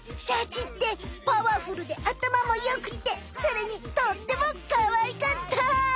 シャチってパワフルであたまもよくてそれにとってもかわいかった。